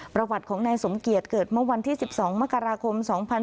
ประวัติของนายสมเกียจเกิดเมื่อวันที่๑๒มกราคม๒๕๖๒